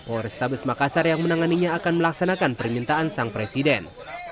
polrestabes makassar yang menanganinya akan melaksanakan permintaan sang presiden